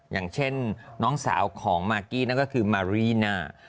อย่างเช่นน้องสาวของมากกี้นั่นก็คือมารีนา